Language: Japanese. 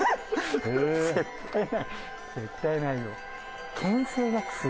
絶対ないよ。